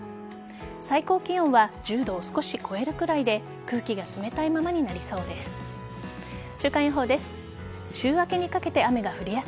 最高気温は１０度を少し超えるくらいで空気が冷たいままになりそうです。